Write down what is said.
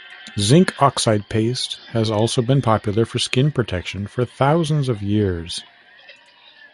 Zinc oxide paste has also been popular for skin protection for thousands of years.